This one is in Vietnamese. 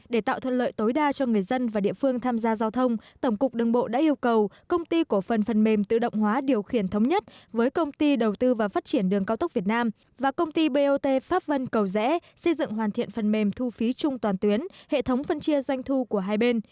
để tạo thuận lợi tối đa cho người dân và địa phương tham gia giao thông tổng cục đường bộ đã yêu cầu công ty cổ phần phần mềm tự động hóa điều khiển thống nhất với công ty đầu tư và phát triển đường cao tốc việt nam và công ty bot pháp vân cầu rẽ xây dựng hoàn thiện phần mềm thu phí chung toàn tuyến hệ thống phân chia doanh thu của hai bên